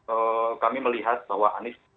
ee kami melihat bahwa anis